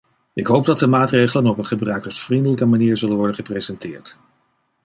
Ik hoop dat de maatregelen op een gebruikersvriendelijke manier zullen worden gepresenteerd.